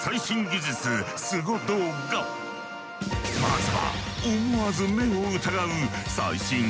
まずは。